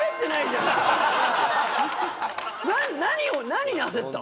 何を何に焦った？